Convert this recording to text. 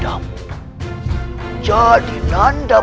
dia juga memiliki kekuatan yang sangat baik